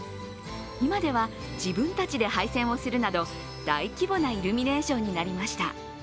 今では、自分たちで配線をするなど大規模なイルミネーションになりました。